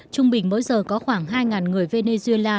trung bình mỗi giờ có khoảng hai người venezuela